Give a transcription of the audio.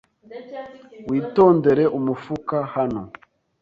Witondere umufuka hano.